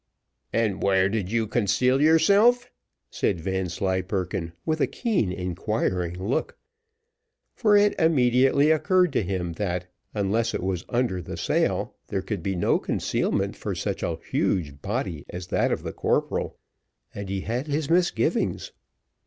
"And where did you conceal yourself?" said Vanslyperken with a keen inquiring look: for it immediately occurred to him that, unless it was under the sail, there could be no concealment for such a huge body as that of the corporal; and he had his misgivings.